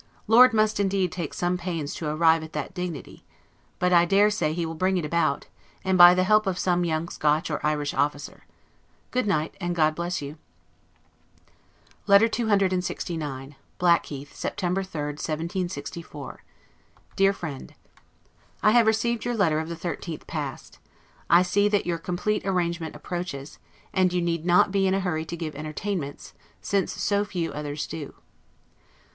Lord must indeed take some pains to arrive at that dignity: but I dare say he will bring it about, by the help of some young Scotch or Irish officer. Good night, and God bless you! LETTER CCLXIX BLACKHEATH, September 3, 1764. DEAR FRIEND: I have received your letter of the 13th past. I see that your complete arrangement approaches, and you need not be in a hurry to give entertainments, since so few others do.